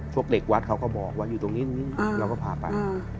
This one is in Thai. พวกเด็กวัดเขาก็บอกว่าอยู่ตรงนี้เราก็พาไป